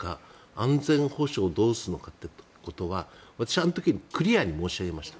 安全保障どうするのかってことは私はあの時クリアに申し上げました。